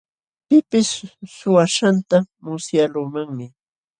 Pipis suwaaśhqanta musyaqluumanmi.